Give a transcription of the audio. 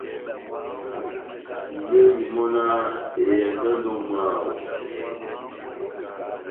Iyɛli mɔ́náh :« ehɛndɔ endi ó mwáho. »